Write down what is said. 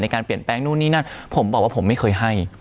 การเปลี่ยนแปลงนู่นนี่นั่นผมบอกว่าผมไม่เคยให้